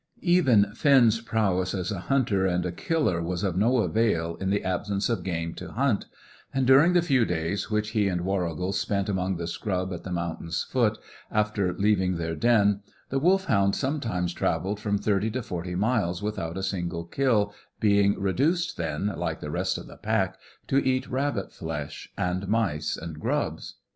Even Finn's prowess as a hunter and a killer was of no avail in the absence of game to hunt, and during the few days which he and Warrigal spent among the scrub at the mountain's foot, after leaving their den, the Wolfhound sometimes travelled from thirty to forty miles without a single kill, being reduced then, like the rest of the pack, to eat rabbit flesh, and mice, and grubs.